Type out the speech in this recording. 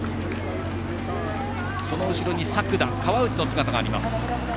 その後ろに作田川内の姿があります。